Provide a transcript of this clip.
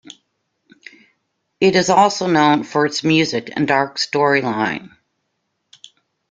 It is also known for its music and dark storyline.